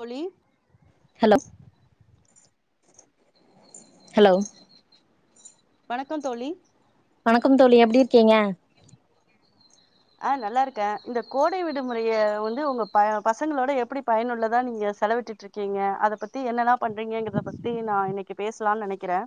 தோழி hello hello வணக்கொ தோழி வணக்கம் தோழி எப்டி இருக்கீங்க ஆ நல்லாருக்கே இந்த கோடை விடுமுறைய வந்து உங்க ப பசங்களோட எப்டி பயனுள்ளதா நீங்க செலவிட்டுட் இருக் கேங்க அதை பத்தி என்னெல்லா பண்றீங்க கிறத பத்தி நா இன்னைக்கு பேசலானு நெனைக்கிறே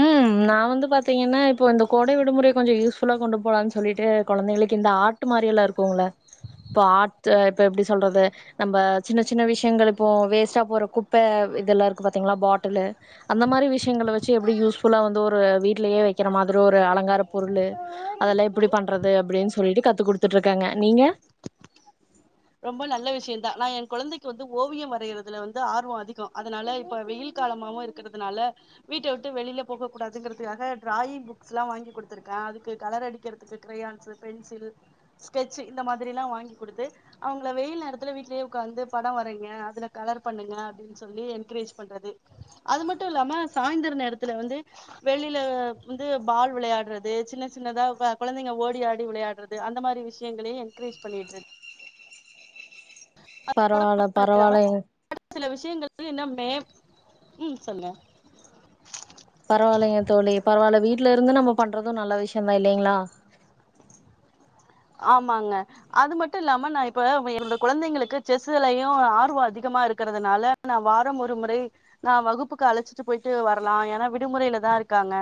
ம் நா வந்து பாத்திங்கன்னா இப்போ இந்த கோடை விடுமுறை கொஞ்சொ யூஸ்ஃபுல்லா கொண்டு போலான் சொல்லிட்டு கொழந்தைகளுக்கு இந்த ஆட்டு மாரி எல்லா இருக்குங்ள இப்ப ஆட்டு் இப்ப எப்டி சொல்றது நம்ப சின்ன சின்ன விஷயங்கள் இப்போ வேஸ்ட்டா போற குப்ப இதெல்லா இருக்கு பாத்திங்ளா பாட்டுலு அந்த மாரி விஷயங்கள வச்சு எப்டி யூஸ்புல்லா வந்து ஒரு வீட்லயே வக்கிற மாதுரு ஒரு அலங்கார பொருளு அதெல்லா எப்டி பண்றது அப்டின்னு சொல்லிட்டு கத்து குடுத்துட்டு இருக்கேங்க நீங்க ரொம்ப நல்ல விஷயந் தா நா எ கொழந்தைக்கு வந்து ஓவியம் வரைறதுல வந்து ஆர்வொ அதிகொ அதனால இப்ப வெயில் காலமாவு இருக் கிறதுனால வீட்ட விட்டு வெளில போக கூடாதுங்கிறதுகாக ட்ராயிங் புக்ஸ்லா வாங்கி குடுத்திருக்கே அதுக்கு கலர் அடிக்கிறதுக்கு கிரயான்ஸ்சு பென்சில் ஸ்கெட்சு இந்த மாதிரிலா வாங்கி் கொடுத்து அவுங்ள வெயில் நேரத்துல வீட்லயே உக்காந்து படொ வரைங்க அதுல கலர் பண்ணுங்க அப்டின்னு சொல்லி என்கரேஜ் பண்றது அது மட்டு இல்லாம சாய்ந்தர நேரத்துல வந்து வெளில வந்து பால் விளையாட்றது சின்ன சின்னதா கொழந்தைங்க ஓடி ஆடி விளையாடுறது து அந்த மாரி விஷயங்களையு என்கரேஜ் பண்ணிட்டு இருக் பரவால பரவால ஒரு சில விஷயங்களுக்கு இன்னமே உம் சொல்லுங்க பரவாயில்லங்க தோழி பரவாயில்ல வீட்ல இருந்து நம்ம பண்றதும் நல்ல விஷயந்தான் இல்லைங்களா ஆமாங்க அது மட்டும் இல்லாம நான் இப்ப என்னோட குழந்தைங்களுக்கு செஸ்லையும் ஆர்வம் அதிகமா இருக்கிறதுனால நான் வாரம் ஒரு முறை நான் வகுப்புக்கு அழைச்சிட்டு போயிட்டு வரலாம் ஏன்னா விடுமுறையில தான் இருக்காங்க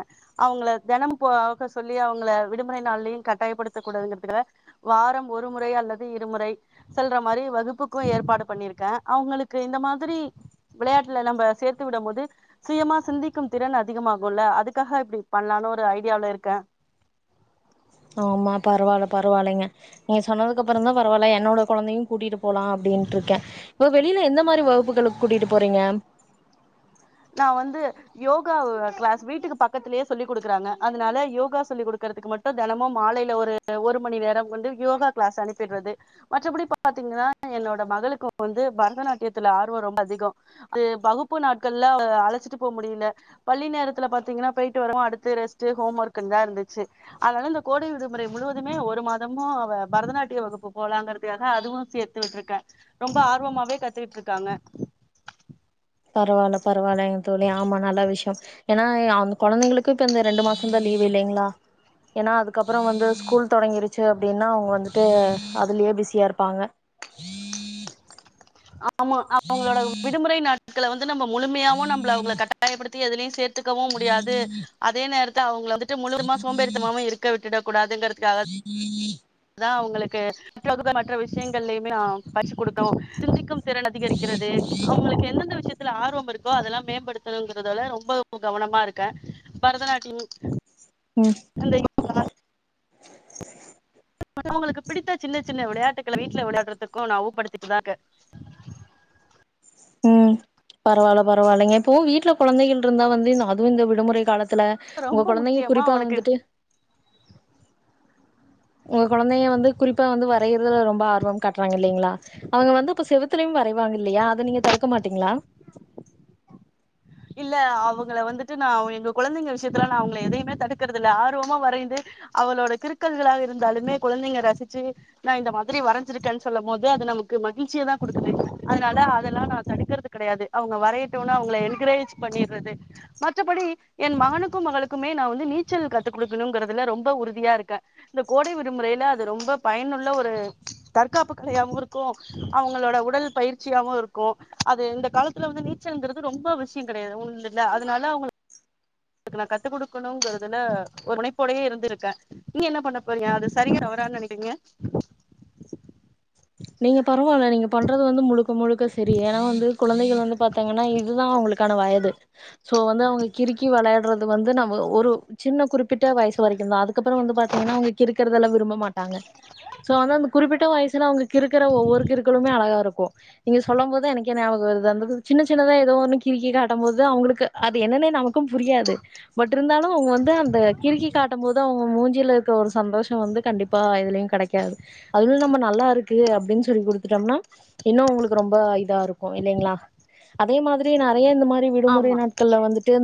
அவங்கள தினம் போக சொல்லி அவங்களை விடுமுறை நாள்லயும் கட்டாயப்படுத்தக் கூடாதுங்கறதுக்குல வாரம் ஒரு முறை அல்லது இருமுறை செல்ற மாரி வகுப்புக்கும் ஏற்பாடு பண்ணிருக்கேன் அவங்களுக்கு இந்த மாதிரி விளையாட்டுல எல்லாம் நம்ம சேர்த்து விடும் போது சுயமா சிந்திக்கும் திறன் அதிகமாகுல்ல அதுக்காக இப்படி பண்ணலான்னு ஒரு ஐடியாவில இருக்கேன் ஆ ஆமா பரவால்ல பரவாயில்லைங்க நீங்க சொன்னதுக்குப்புறம் தான் பரவால்ல என்னோட குழந்தையும் கூட்டிட்டு போலாம் அப்படின்ட்டு இருக்கேன் இப்ப வெளியில எந்த மாதிரி வகுப்புகளுக்கு கூட்டிட்டு போறீங்க நான் வந்து யோகா கிளாஸ் வீட்டுக்கு பக்கத்திலேயே சொல்லி கொடுக்குறாங்க அதனால யோகா சொல்லி் கொடுக்கறதுக்கு மட் டும் தினமும் மாலைல ஒரு ஒருமணி நேரம் வந்து யோகா கிளாஸ் அனுப்பிடுறது மற்றபடி பாத்தீங்கன்னா என்னோட மகளுக்கும் வந்து பரதநாட்டியத்துல ஆர்வம் ரொம்ப அதிகம் அது வகுப்பு நாட்கள்ல அழைச்சிட்டு போக முடியல பள்ளி நேரத்துல பாத்தீங்கன்னா போயிட்டு வரவும் அடுத்து ரெஸ்ட் ஹோம் ஒர்கு தான் இருந்துச்சு அதனால இந்த கோடை விடுமுறை முழுவதுமே ஒரு மாதமும் அவ பரதநாட்டிய வகுப்பு போலாங்கிறதுக்காக அதுவும் சேர்த் கத்து விட்டு இருக்கேன் ரொம்ப ஆர்வமாவே கத்துக்குட்டு இருக்காங்க பரவால்ல பரவால்ல என் தோழி ஆமாம் நல்ல விஷயம் ஏன்னா அந்த குழந்தைங்களுக்கும் இப்ப இந்த ரெண்டு மாசம் தான் லீவு இல்லைங்களா ஏன்னா அதுக்கப்பறோ வந்து ஸ்கூல் தொடங்கிருச்சி அப்டின்னா அவுங்க வந்துட்டு அதுலயே பிஸியா இருப்பாங்க [inaudible] ஆமா அவங்களோட விடுமுறை நாட்கள வந்து நம்ம முழுமையாவு நம்பள அவுங்கள கட்டாயப்படுத்தி எதுலயு சேத் துக்கவு முடியாது அதே நேரத்துல அவுங்கள வந்துட்டு முழுவதுமா சோம்பேறிதனமாவு இருக்க விட்டுடக்கூடாதுங்கிறதுக்காக [inaudible] அதா அவுங்களுக்கு புத்தகமற்ற விஷயங்கள்லயுமே பரிசு குடுக்கணு சிந்திக்கும் திறன் அதிகரிக்கிறது அவுங்களுக்கு எந்தெந்த விஷயத் துல ஆர்வம் இருக்கோ அதெல்லா மேம்படுத்தணுங்கிறதால ரொம்ப கவனமா இருக்கே பரதநாட்டியம் ம் அந்த மத்தவங்களுக்கு பிடித்த சின்ன சின்ன விளையாட்டுக்கள வீட்ல விளையாடுறதுக்கு ஞாபகப்படுத்தீட்டுதா இருக்கே ம் பரவால்ல பரவால்லைங்க இப்போ வீட்ல குழந்தைகள் இருந்தா வந்து அதுவு இந்த விடுமுறை காலத்துல உங்க ரொம்ப குழந்தைங்க முக்கியமா குறிப்பா அவனுக்கு வந்துட்டு உங்க குழந்தைங்க வந்து குறிப்பா வந்து வரையிறதுல ரொம்ப ஆர்வம் காட்டுறாங்க இல்லலைங்களா அவங்க வந்து இப்ப செவத்துலயும் வரை வாங்க இல்லையா அத நீங்க தடுக்க மாட்டீங்களா இல்ல அவுங்கள வந்துட்டு நா எங்க குழந்தைங்க விஷயத்துல நா அவுங்கள எதையுமே தடுக்கறது இல்லை ஆர்வமா வரைந்து அவளோட கிருக்கல்களாக இருந்தாலுமே குழந்தைங்க ரசிச்சி நா இந்த மாதிரி வரைஞ்சிருக்கேன்னு சொல்லும் போது அது நமக்கு மகிழ்ச்சிய தா குடுக்குது அதனால அதெல்லா நா தடுக்குறது கெடையாது அவுங்க வரையட்டுன்னு அவுங்கள என்கரேஜ் பண்ணிர்றது மற்றபடி என் மகனுக்கும் மகளுக்குமே நா வந்து நீச்சல் கத்து குடுக்கணுங்குறதுல ரொம்ப உறுதியா இருக்கே இந்த கோடை விடுமுறையில அது ரொம்ப பயனுள்ள ஒரு தற்காப்பு கலையாவு இருக்கு அவுங்களோட உடல் பயிற்சியாவு இருக்கு அது இந்த காலத்துல வந்து நீச்சல்ன்கிறது ரொம்ப விஷயங் கெடையாது உண்டுல அதுனால அவுங்களுக்கு நா கத்து குடுக்கணுங்குறதுல ஒரு முனைப்போடையே இருந்துருக்கே நீங்க என்ன பண்ண போறிங்க அது சரியா தவறான்னு நெனைக்கிறீங்க நீங்க பரவாயில்ல நீங்க பண்றது வந்து முழுக்க முழுக்க சரி ஏன்னா வந்து குழந்தைகள் வந்து பாத்தீங்கன்னா இதுதா அவுங்களுக்கான வயது சோ வந்து அவுங்க கிருக்கி விளையாட்றது வந்து நம்ம ஒரு சின்ன குறிப்பிட்ட வயசு வரைக்குந்தா அதுக்கப்பறோ வந்து பாத்தீங்கன்னா அவுங்க கிருக்குறதெல்லா விரும்ப மாட்டாங்க சோ வந்து அந்த குறிப்பிட்ட வயசுல அவுங்க கிருக்ற ஒவ்வொரு கிருக்களுமே அழகா இருக்கு நீங்க சொல்லும் போதா எனக்கே ஞாபக வருது அந்த சின்ன சின்னதா ஏதோ ஒன்னு கிருக்கி காட்டம் போது தா அவுங்களுக்கு அது என்னன்னே நமக்கு புரியாது பட் இருந்தாலு அவுங்க வந்து அந்த கிருக்கி காட்டம் போது அவுங்க மூஞ்சில இருக்குற ஒரு சந்தோஷோ வந்து கண்டிப் பா எதுலயு கெடைக்காது அதுலயு நம்ம நல்லா இருக் கு அப்டின்னு சொல்லி குடுத்துட்டோம்னா இன்னு அவுங்களுக்கு ரொம்ப இதா இருக்கு இல்லைங்ளா அதே மாதிரி நெறைய இந்த மாரி விடுமுறை ஆமா நாட்கள்ல வந்துட்டு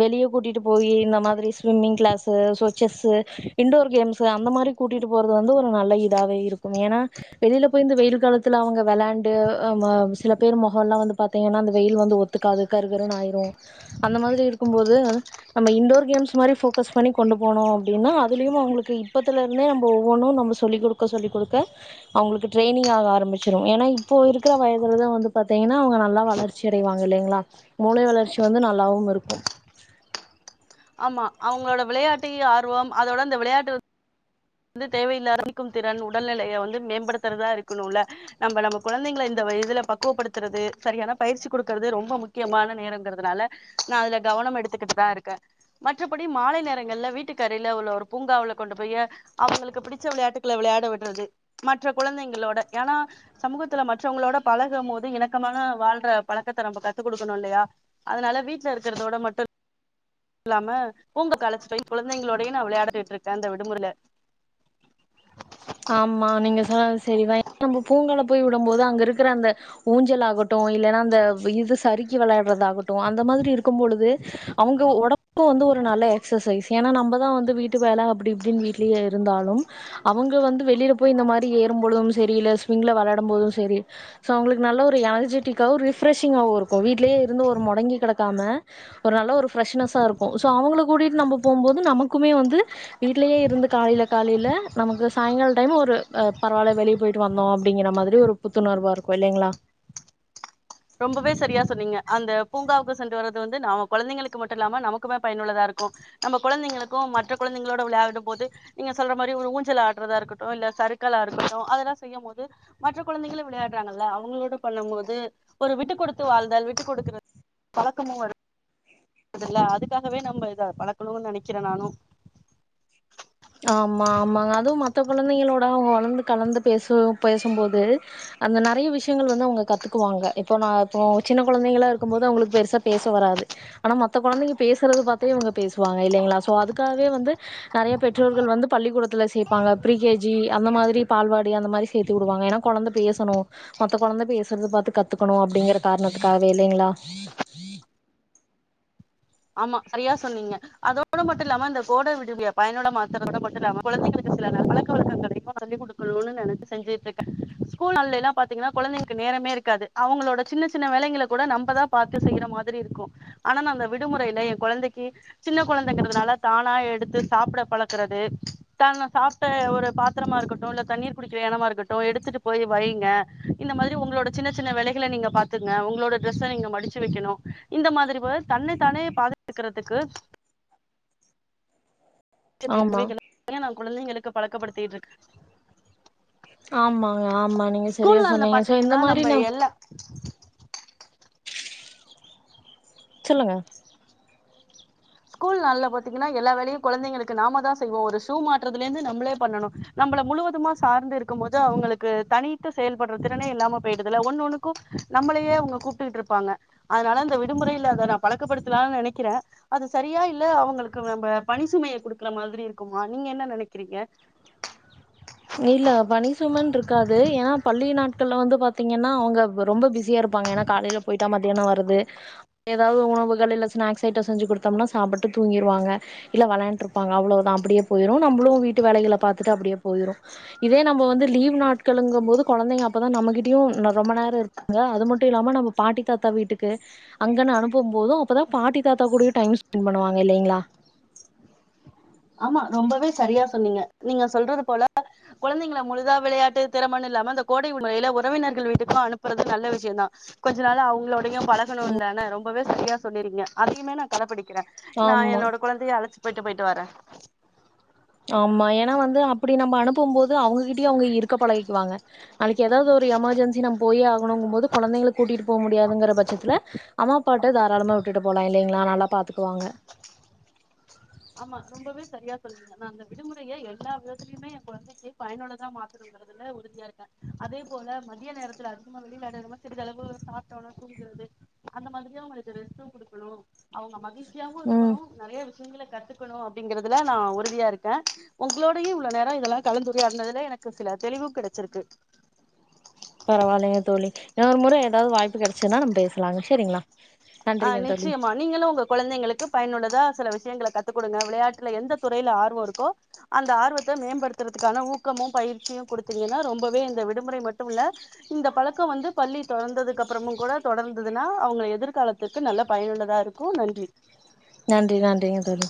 வெளிய கூட்டிட்டு போய் இந்த மாதிரி swimming class so chess indoor games அந்த மாரி கூட்டிட்டு போறது வந்து ஒரு நல்ல இதாவே இருக்கும் ஏன்னா வெளில போய் இந்த வெயில் காலத்துல அவுங்க வெளாண்டு ஆ சில பேர் முகல்லா வந்து பாத்தீங்கன்னா அந்த வெயில் வந்து ஒத் துக்காது கருகருன்னு ஆயிரு அந்த மாதிரி இருக்கும்போது நம்ம இன்டோர் கேம்ஸ் மாரி போக்கஸ் பண்ணி கொண்டு போனோ அப்டின்னா அதுலயும் அவுங்ளுக்கு இப்பத்துல இருந்தே நம்ப ஒவ்வொன்னு நம்ம சொல்லி குடுக்க சொல்லி் குடுக்க அவுங்களுக்கு ட்ரைனி்ங் ஆக ஆரம்பிச்சிரு ஏன்னா இப்போ இருக்குற வயதுலதா வந்து பாத்திங்கன்னா அவுங்க நல்லா வளர்ச் ச்செரி வாங்க இல்லேங்களா மூளை வளர்ச்சி வந்து நல்லாவு இருக்கு ஆமா அவுங்களோட விளையாட்டி ஆர்வம் அதோட அந்த விளையாட்டு வந்து தேவையில்லாத கணிக்கும் திறன் உடல்நிலைய வந்து மேம்படுத்துறதா இருக்குணுல நம்ப நம்ம கொழந்தைங்கள இந்த வயதுல பக்குவப்படுத்துறது சரியான பயிற்சி குடுக்குறது ரொம்ப முக்கியமான நேரங்கிறதுனால நா அதுல கவனம் எடுத்துக்கிட்டுதா ருக்கே மற்றபடி மாலை நேரங்கள்ல வீட்டுக்கரைல உள்ள ஒரு பூங்காவுல கொண்டு போய் அவுங்களுக்கு பிடிச்ச விளையாட்டுக்கள விளையாட விடுறது மற்ற கொழந்தைங்களோட ஏன்னா சமூகத்துல மற்றவங்களோட பழகம் போது இணக்கமான வாழ்ற பழக்கத்த நம்ப கத்து குடுக்கணு இல்லையா அதுனால வீட்ல இருக்கறதோட மட்டு இல்லாம பூங்காக்கழச்சு போய் கொழந்தைங்களோடயு நா விளயாடிட்டுருக்கே இந்த விடுமுறைல ஆமா நீங்க சொன்னது செரிதா நம்ம பூங்கால போய் விடும்போது அங்க இருக்குற அந்த ஊஞ்சல் ஆகட்டு இல்லைன்னா அந்த இது சரி க்கி விளையாட்றது ஆகட்டு அந்த மாதிரி இருக்கும் பொழுது அவுங்க ஒடம் இப்ப வந்து ஒரு நல்ல எக்சசைஸ் ஏன்னா நம்பதா வந்து வீட்டு வேல அப்டி இப்டின்னு வீட்லயே இருந்தாலும் அவுங்க வந்து வெளில போயி இந்த மாரி ஏறும்பொழுதும் செரி இல்ல ஸ்விங்ல வெளாடும் போதும் செரி ஸோ அவுங்ளுக்கு நல்ல ஒரு எனர்ஜிட்டிக்காவும் ஒரு ரிஃப்ரெஷிங்காவும் இருக்கு வீட்லயே இருந்து ஒரு மொடங்கி கெடக்காம ஒரு நல்ல ஒரு ஃப்ரெஷ்னஸா இருக்கும் ஸோ அவுங்கள கூட்டிட்டு நம்ம போம்போது நமக்குமே வந்து வீட்லயே இருந்து காலேல காலேல நமக்கு சாயங்கால டைம் ஒரு பரவால்ல வெளிய போயிட்டு வந்தோம் அப்டிங்கிற மாதிரி ஒரு புத்துணர்வா இருக்கும் இல்லைங்களா ரொம்பவே சரியா சொன்னீங்க அந்த பூங்காவுக்கு சென்று வர்றது வந்து நாம கொழந்தைங்களுக்கு மட்டு இல்லாம நமக்குமே பயனுள்ளதாருக்கு நம்ப கொழந்தைங்களுக்கும் மற்ற கொழந்தைங்களோட வெளயாடும் போது நீங்க சொல்றா மாரி ஒரு ஊஞ்சல் ஆட்ரதா இருக்கட்டு இல்ல சறுக்காலா இருக்கட்டும் அதெல்லா செய்யும் போது மற்ற கொழந்தைங்களா வெளையாட்றாங்கல்ல அவுங்களோட பண்ணும் போது ஒரு விட்டு குடுத்து வாழ்தல் விட்டு குடுக்குறத் பழக்கமும் வரும் இதுல்ல அதுக்காகவே நம்ம இத பழக்கணுனு நெனைக்றே நானும் ஆம்மா ஆம்மாங்க அதுவும் மத்த கொழந்தைங்களோட அவுங்க வளந்து கலந்து பேச பேசும்போது அந்த நெறைய விஷயங்கள் வந்து அவுங்க கத்துக்குவாங்க இப்போ நா இப்போ சின்ன கொழந்தைங்களா இருக்கும்போது அவுங்களுக்கு பெருசா பேச வராது ஆனா மத்த கொழந்தைங்க பேசுறது பாத்தே இவுங்க பேசுவாங்க இல்லைங்களா சோ அதுக்காகவே வந்து நெறைய பெற் றோர்கள் வந்து பள்ளிக்கூடத்ல சேப்பாங்க ப்ரீ கே ஜி அந்த மாதிரி பால்வாடி அந்த மாதிரி சேத்து விடுவாங்க ஏன்னா கொழந்த பேசணு மத்த கொழந்த பேசுறது பாத்து கத்துக்கனு அப்டிங்கற காரணத்துக்காகவே இல்லைங்களா ஆமா சரியா சொன்னீங்க அதோட மட்டுல்லாம இந்த கோட விடுபிய பயனுள்ள மாத்திரது மட்டுமில்லாம [inaudible] கொழந்தைகளுக்கு சில நல்ல பழக்க வழக்கங்களை சொல்லி குடுத் சொல்லணு நெனச்சு செஞ்சுட்டுருக்கே ஸ்கூல் நாளலெல்லாம் பாத்தீங்கன்னா கொழந்தைளுக்கு நேரமே இருக்காது அவுங்களோட சின்ன சின்ன வேலைங்கள கூட நம்மதா பாரத்து செய்யிற மாதிரிருக்கு ஆனா அந்த விடுமுறைலே ஏ கொழந்தக்கீ சின்ன கொழந்தங்கிறதுனால தானா எடுத்து சாப்ட பழக்குறது தானா சாப்ட்ட ஒரு பாத்திரமா இருக்கட்டு இல்ல தண்ணீர் குடிக்கிற ஏனம்மா இருக்கட்டு எடுத்துட்டு போய் வைங்க இந்த மாதிரி உங்களோட சின்ன சின்ன வேலைகள நீங்க பாத்துங்க உங்களோட டிரஸ்ஸ நீங்க மடிச்சு வக்கணு இந்த மாதிரி வோர் தன்னை தானே பாதுக்கிறதுக்கு சுய ஆமா தேவைகள நானே நா குழந்தைகளுக்கு பழக்கப்படுத்திட்டு ருக்கே ஆமாங்க ஆமா நீங்க செரியா நாள்ல சொன்னீங்க இந்த பாத்தீங்கன்னா மாதிரி நம்ம நா [unintelligible] சொல்லுங்க ஸ்கூல் நாள்ல பாத்தீங்கன்னா எல்லா வேலையு குழந்தைங்களுக்கு நாம தா செய்வோ ஒரு ஷூ மாட்றதுலிருந்து நம்மளே பண்ணணு நம்மள முழுவதுமா சார்ந்து இருக்கும் போது அவங்களுக்கு தனித்து செயல்படுற திறனே இல்லாம போயி்டுதுல்ல ஒண்ணொண்னு நம்மளையே அவங்க கூப்ட்டுட்டு இருப்பாங்க அதனால இந்த விடுமுறைலே அத நா பழக்கப்படுத்தலானு நெனைக்கிறே அது சரியா இல்ல அவங்களுக்கு நம்ம பணிசுமைய குடுக்குற மாதிரி இருக்குமா நீங்க என்ன நெனைக்கிறீங்க இல்ல பனிசுமனு இருக்காது ஏன்னா பள்ளி நாட்கள்ல வந்து பாத்தீங்கன்னா அவங்க ரொம்ப பிசி பிஸியா இருப்பாங்க ஏனா காலைய போயிட்டா மத்தியானோ வருது ஏதாவது உணவுகல் இல்ல ஸ்நாக்ஸ் ஐட்டம் செஞ்சு கொடுத்தோம்னா சாப்ட்டு தூங்கிடுவாங்க இல்ல விளையாண்ட்டு இருப்பாக அவ்ளோத அப்டியே போயிரு நம்மளு வீட்டு வேலைகள பாத்துட்டு அப்டியே போயிரு இதே நம்ம வந்து லீவ் நாட்களுங்கும்போது கொழந்தைங்க அப்பதா நமகிட்டயு ரொம்ப நேரோ இரு அ அது மட்டு இல்லாம நம்ம பாட்டி தாத்தா வீட்டுக்கு அங்கன்னு அனுப்பு போது அப்பதா பாட்டி தாத்தா கூடயு டைம் ஸ்பெண்ட் பண்ணுவாங்க இல்லைங்களா ஆமா ரொம்பவே சரியா சொன்னீங்க நீங்க சொல்றது போல கொழந்தைங்கள முழுதா வெளயாட்டு திறமன்னு இல்லாம அந்த கோடை முறையில உறவினர்கள் வீட்டுக்கு அனுப்புறது நல்ல விஷயோ தா கொஞ்ச நாள் அவுங்களோட பழகணு இல்ல ன ரொம்பவே சரியா சொன்னீங்க அதயுமே நா கடபிடிக்குறே நா ஆமா என்னோட கொழந்தய அழச்சு போயிட்டு போயிட்டு வாரே ஆமா ஏன்னா வந்து அப்டி நம்ம அனுப்பு போது அவுங்ககிட்டயு அவுங்க இருக்க பழகிக்குவாங்க நாளைக்கு ஏதாவது ஒரு எமர்ஜென்சி நம்ம போயே ஆகணுங்கும்போது கொழந்தைங்கள கூட்டிட்டு போக முடியாதுங்கிற பட்சத்தில அவ பாட்டு தாராளமா விட்டுட்டு போலா இல்லைங்களா நல்லா பாத்துக்குவாங்க ஆமா ரொம்பவே சரியா சொல்றீங்க நா அந்த விடுமுறய எல்லா விதத்துலயுமே என் கொழந்தைக்கு பயனுள்ளதா மாத்து இக்றதுல உறுதியா இருக்கே அதே போல மதிய நேரத்தில் அதிகமா [unintelligible] வெளிநாடு சிறிதளவு சாப் தூங்குறது அந்த மாதிரியே அவங்களுக்கு ரெஸ்ட்டு கொடுக்கணு அவுங்க மகிழ்ச்சி யாவு ம் இருக்கணு நெறயா விஷயங்கள கத்துக்கணு அப்டிங்றதுல நா உறுதியா இருக்கே உங்களோடயே இவ்ளோ நேரோ இதெல்லா கலந்து உரையாடுனதுல எனக்கு சில தெளிவு கெடச்ருக்கு பரவாயில்லங்க தோழி இன்னொரு முற ஏதாவது வாய்ப்பு கெடச்சதுன்னா நம்ம பேசலாங்க செரிங்களா ஆ‌ நிச்சயமா நீங்களு ஒங்க கொழந்தைங்களுக்கு பயனுள்ளதா சில விஷயங்கள கத்து கொடுங்க வெளயாட்டுல எந்த துறயில ஆர்வோ இருக்கோ அந்த ஆர்வத்த மேம்படுத்துறதுக்கான ஊக்கமு பயிற்சியு கொடுத்தீங்கன்னா ரொம்பவே இந்த விடுமுறை மட்டுமில்ல இந்த பழக்கோ வந்து பள்ளி தொடர்ந்ததுக்கு அப்புறமு கூட தொடர்ந்ததுன்னா அவுங்க எதிர்காலத் க்கு நல்ல பயனுள்ளதா இருக்கு நன்றி நன்றி நன்றிங்க தோழி